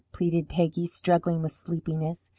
pleaded Peggy, struggling with sleepiness.